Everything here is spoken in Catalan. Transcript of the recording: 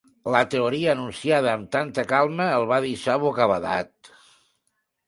La teoria enunciada amb tanta calma el va deixar bocabadat.